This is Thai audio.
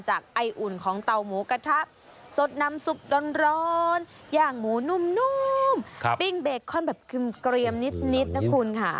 ไออุ่นของเตาหมูกระทะสดน้ำซุปร้อนย่างหมูนุ่มปิ้งเบคอนแบบเคลียมนิดนะคุณค่ะ